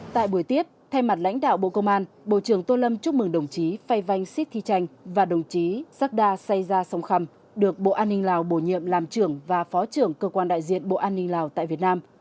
tại buổi tiếp thay mặt lãnh đạo bộ công an bộ trưởng tô lâm chúc mừng đồng chí phay vanh sít thị tranh và đồng chí sac đa say gia sông khăm được bộ an ninh lào bổ nhiệm làm trưởng và phó trưởng cơ quan đại diện bộ an ninh lào tại việt nam